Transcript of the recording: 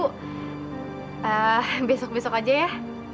eh besok besok aja ya